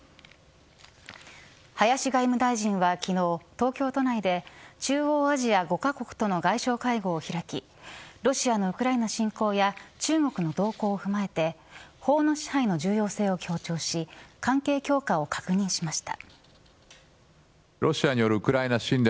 林外務大臣は昨日東京都内で中央アジア５カ国との外相会合を開きロシアのウクライナ侵攻や中国の動向を踏まえて法の支配の重要性を強調し関係強化を確認しました。